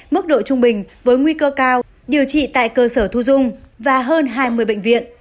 mức độ trung bình với nguy cơ cao điều trị tại cơ sở thu dung và hơn hai mươi bệnh viện